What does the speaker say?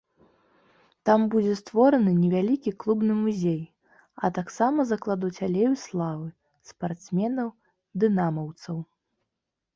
Там будзе створаны невялікі клубны музей, а таксама закладуць алею славы спартсменаў-дынамаўцаў.